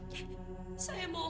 dia tidak bisa bergerak